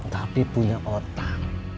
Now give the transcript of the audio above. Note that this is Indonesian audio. tapi punya otak